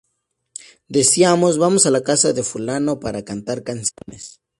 Decíamos: ‘Vamos a la casa de Fulano para cantar canciones’.